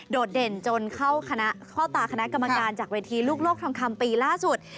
โดดเด่นจนเข้าตากรรมการจากเวทีลูกโลกทองคำปีล่าสุด